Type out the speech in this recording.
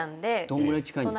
どんぐらい近いんですか？